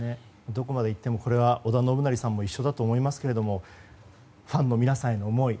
どこまでいっても織田信成さんも一緒だと思いますけどファンの皆さんへの思い